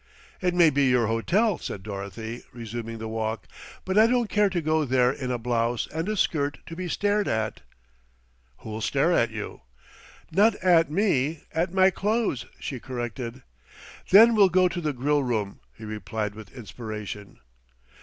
"It may be your hotel," said Dorothy, resuming the walk, "but I don't care to go there in a blouse and a skirt to be stared at." "Who'll stare at you?" "Not at me, at my clothes," she corrected. "Then we'll go to the grill room," he replied with inspiration.